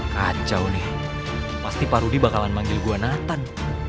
kacau nih pasti pak rudi bakalan manggil gua nathan